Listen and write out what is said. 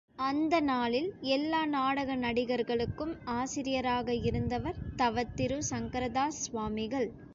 அந்த நாளில் எல்லா நாடக நடிகர்களுக்கும் ஆசிரியராக இருந்தவர் தவத்திரு சங்கரதாஸ் சுவாமிகள்.